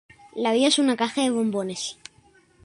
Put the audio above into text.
La vida es una caja de bombones